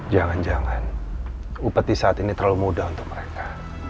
jangan jangan upeti saat ini terlalu muda untuk mereka